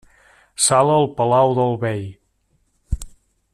Sala al palau del bei.